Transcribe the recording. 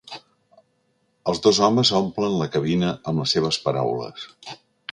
Els dos homes omplen la cabina amb les seves paraules.